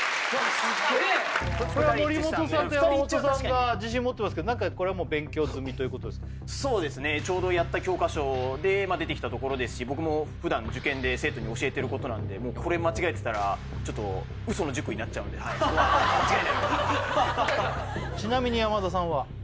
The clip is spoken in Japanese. すっげえ森本さんと山本さんが自信持ってますけど勉強済みということでそうですねちょうどやった教科書で出てきたところですし僕も普段受験で生徒に教えてることなんでこれ間違えてたらちょっとウソの塾になっちゃうんでここは間違えないようにちなみに山田さんは？